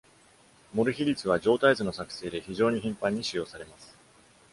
モル比率は、状態図の作成で非常に頻繁に使用されます。